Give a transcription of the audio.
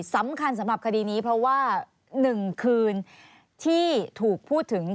สำหรับคดีนี้เพราะว่า๑คืนที่ถูกพูดถึง